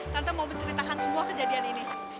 tante mau menceritakan semua kejadian ini